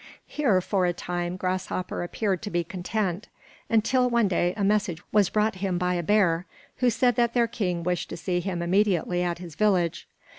Here, for a time, Grasshopper appeared to be content, until one day a message was brought him by a bear, who said that their king wished to see him immediately at his village.